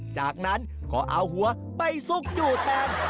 จากนั้นก็เอาหัวไปซุกอยู่แทน